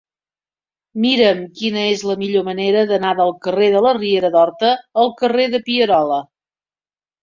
Mira'm quina és la millor manera d'anar del carrer de la Riera d'Horta al carrer de Pierola.